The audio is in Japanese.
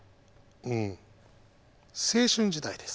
うん青春時代です。